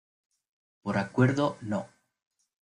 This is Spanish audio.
Por acuerdo No.